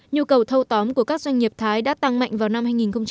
nhu cầu thâu tóm của các doanh nghiệp thái đã tăng mạnh vào năm hai nghìn một mươi tám